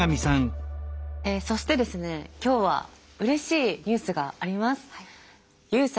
えそしてですね今日はうれしいニュースがあります。